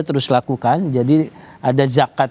terus lakukan jadi ada zakat